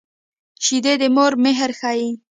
شیدې د مور مهر ښيي